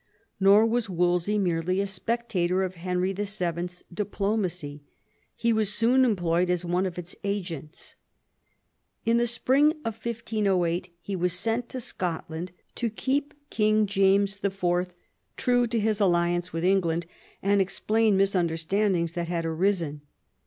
Nor was Wolsey merely a spectator of Henry VII. 's diplomacy ; he was soon employed as one of its agents. In the spring of 1508 he was sent to Scotland to keep King James IV. true to his alliance with England, d,nd explain misunder standings that had arisen.